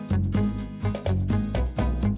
ya enggak tahu min